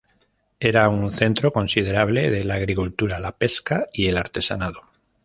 Era un centro considerable de la agricultura, la pesca y el artesanado.